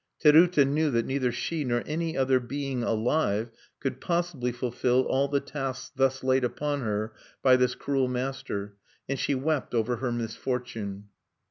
Terute knew that neither she nor any other being alive could possibly fulfill all the tasks thus laid upon her by this cruel master; and she wept over her misfortune.